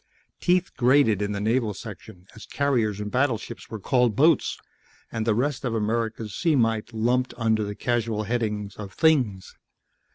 Teeth grated in the Naval section as carriers and battleships were called "boats" and the rest of America's sea might lumped under the casual heading of "things."